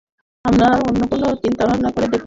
আমরা অন্য কোনো চিন্তাভাবনা করে দেখবো।